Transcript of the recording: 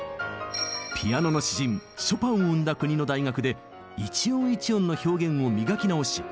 ピアノの詩人ショパンを生んだ国の大学で一音一音の表現を磨き直し